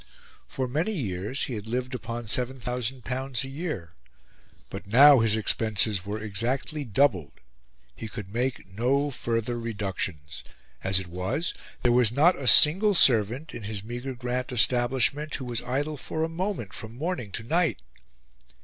For many years he had lived upon L7000 a year; but now his expenses were exactly doubled; he could make no further reductions; as it was, there was not a single servant in his meagre grant establishment who was idle for a moment from morning to night.